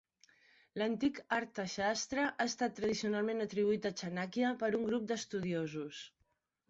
L'antic "Arthashastra" ha estat tradicionalment atribuït a Chanakya per un grup d'estudiosos.